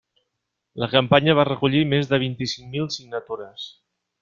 La campanya va recollir més de vint-i-cinc mil signatures.